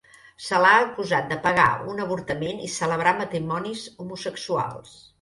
Se l'ha acusat de pagar un avortament i celebrar matrimonis homosexuals.